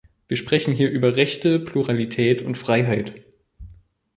Wir sprechen hier über Rechte, Pluralität und Freiheit.